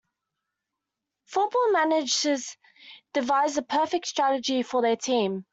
Football managers devise the perfect strategy for their team.